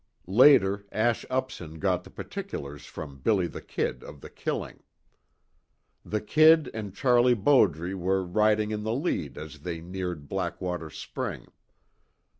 Later, Ash Upson got the particulars from "Billy the Kid" of the killing. The "Kid" and Charlie Bowdre were riding in the lead as they neared Blackwater Spring.